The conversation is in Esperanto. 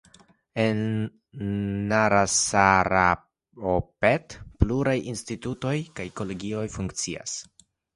En Narasaraopet pluraj institutoj kaj kolegioj funkcias.